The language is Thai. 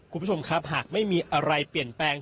คุณผู้ชมครับหากไม่มีอะไรเปลี่ยนแปลง